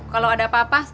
kalo ada apa apa